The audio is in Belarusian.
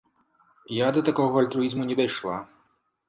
Я да такога альтруізму не дайшла.